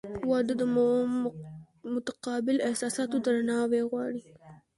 • واده د متقابل احساساتو درناوی غواړي.